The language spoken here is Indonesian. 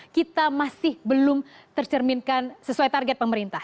kita masih belum tercerminkan sesuai target pemerintah